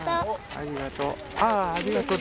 ありがとう。